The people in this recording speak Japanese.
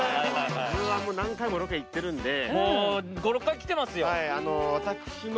もう何回もロケ行ってるんでもう５６回来てますよ